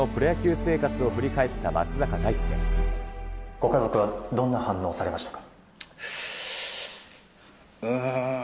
ご家族はどんな反応をされましたか。